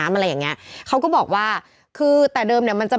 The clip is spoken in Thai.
อ่าอ่าอ่าอ่าอ่าอ่าอ่าอ่า